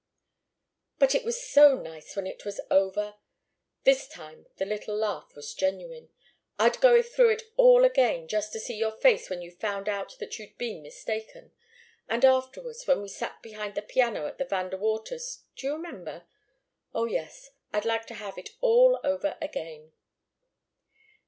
"But it was so nice when it was over!" This time the little laugh was genuine. "I'd go through it all again, just to see your face when you found out that you'd been mistaken and afterwards, when we sat behind the piano at the Van De Waters' do you remember? Oh, yes! I'd like to have it all over again."